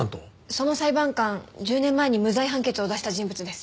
その裁判官１０年前に無罪判決を出した人物です。